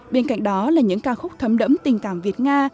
bên cạnh đó là những ca khúc thấm đẫm tình cảm việt nga